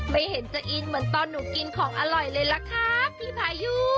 ไม่เห็นจะอินเหมือนตอนหนูกินของอร่อยเลยล่ะครับพี่พายุ